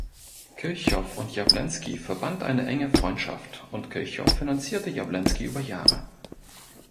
Kirchhoff und Jawlensky verband eine enge Freundschaft und Kirchhoff finanzierte Jawlensky über Jahre.